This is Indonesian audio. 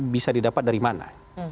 bisa didapat dari mana